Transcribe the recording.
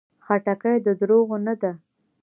خټکی د دروغو نه ده.